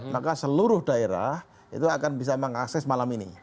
maka seluruh daerah itu akan bisa mengakses malam ini